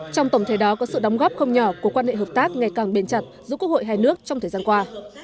trong tổng thể đó có sự đóng góp không nhỏ của quan hệ hợp tác ngày càng bền chặt giữa quốc hội hai nước trong thời gian qua